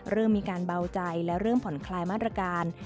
เริ่มมีการเบาใจและเริ่มผ่อนคลายมาตรการ